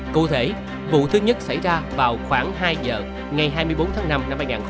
cụ thể vụ thứ nhất xảy ra vào khoảng hai h ngày hai mươi bốn tháng năm năm hai nghìn một mươi chín